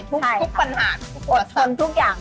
ใช่ค่ะทุกปัญหาทุกประสัตว์อดทนทุกอย่าง